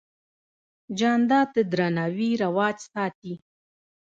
جانداد د درناوي رواج ساتي.